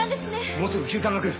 もうすぐ急患が来る。